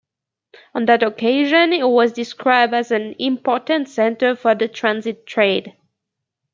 On that occasion it was described as an "important centre for the transit trade".